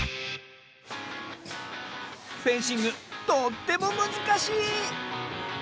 フェンシングとってもむずかしい！